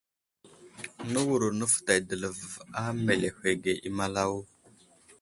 Nəwuro nəfətay dəlov a meləhwəge i malawo.